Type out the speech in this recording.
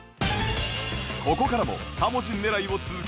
ここからも２文字狙いを続け